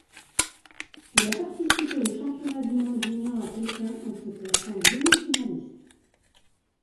Il a participé aux Championnats du monde juniors à Pékin, en se plaçant demi-finaliste.